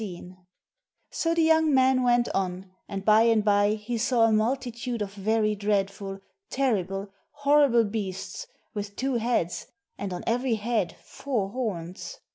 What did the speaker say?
3i8 ENGLISH FAIRY TALES So the young man went on, and by and by he saw a mul titude of very dreadful, terrible, horrible beasts, with two heads, and on every head four horns